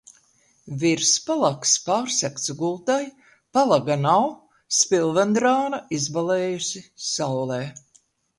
Virspalags pārsegts gultai, palaga nav, spilvendrāna izbalējusi saulē.